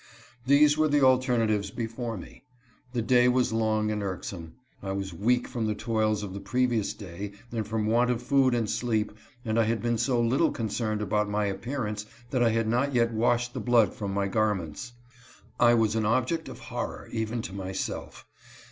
These were the alternatives before me. The day was long and irksome. I was weak from the toils of the previous day and from want of food and sleep, and I had been so little concerned about my appearance that I 166 • HE HEARS A STEP. had not yet washed the blood from my garments. I was an object of horror, even to myself.